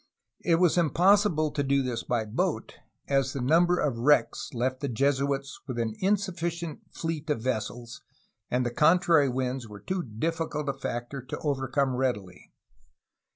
It was impossible to do this by boat, as the number of wi^ecks left the Jesuits with an insufficient fleet of vessels and the con trary winds were too difficult a factor to overcome readily.